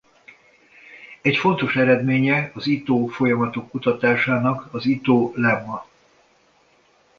Egy fontos eredménye az Itó-folyamatok kutatásának az Itó-lemma.